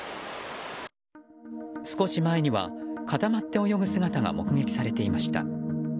少し前には、固まって泳ぐ姿が目撃されていました。